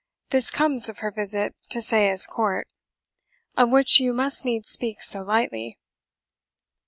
This comes of her visit to Sayes Court, of which you must needs speak so lightly."